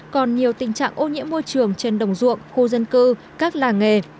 còn nhiều tình trạng ô nhiễm môi trường trên đồng ruộng khu dân cư các làng nghề